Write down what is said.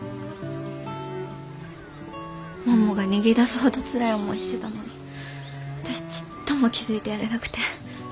ももが逃げ出すほどつらい思いしてたのに私ちっとも気付いてやれなくて。